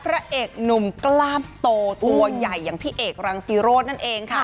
พระเอกหนุ่มกล้ามโตตัวใหญ่อย่างพี่เอกรังซีโรธนั่นเองค่ะ